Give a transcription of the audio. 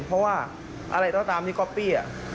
เพราะว่าอะไรก็ตามที่ก๊อปปี้